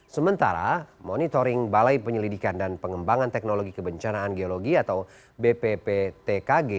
sementara monitoring balai penyelidikan dan pengembangan teknologi kebencanaan geologi atau bpptkg